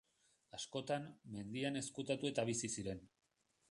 Askotan, mendian ezkutatu eta bizi ziren.